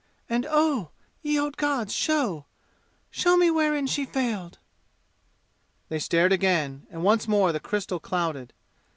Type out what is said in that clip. And oh, ye old gods, show show me wherein she failed!" They stared again, and once more the crystal clouded.